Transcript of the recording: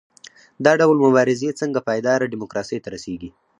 دا ډول مبارزې څنګه پایداره ډیموکراسۍ ته رسیږي؟